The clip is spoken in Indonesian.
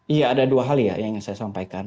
iya ada dua hal ya yang ingin saya sampaikan